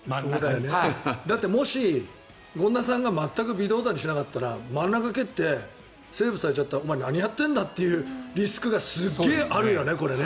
だって、もし権田さんが全く微動だにしなかったら真ん中蹴ってセーブされちゃったら何やってるんだってリスクがすごくあるよね。